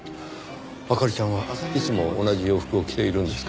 明里ちゃんはいつも同じ洋服を着ているのですか？